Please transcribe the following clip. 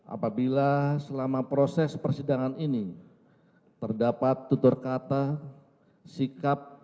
apabila selama proses persidangan ini terdapat tutur kata sikap